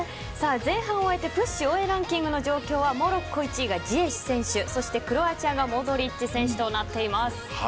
前半を終えてＰｕｓｈ応援ランキングの状況はモロッコ１位がジエシュ選手そしてクロアチアがモドリッチ選手となっています。